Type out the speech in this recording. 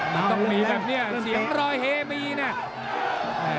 มันต้องมีแบบนี้เสียงรอยเฮมีนะ